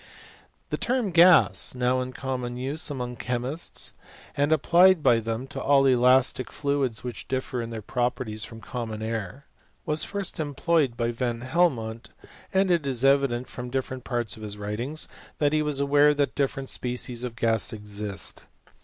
The term gas^ now in common use among chemists, and applied by them to all elastic fluids which differ ia their properties from common air, was first employed by Van Helmont : and it is evident, from different^ parts of his writings, that he was aware that difFereotL species of gas exist.